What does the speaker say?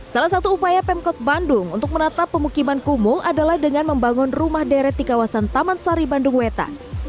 salah satu upaya pemkot bandung untuk menatap pemukiman kumuh adalah dengan membangun rumah deret di kawasan taman sari bandung wetan